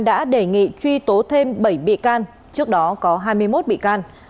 đã đề nghị truy tố thêm bảy bị can trước đó có hai mươi một bị can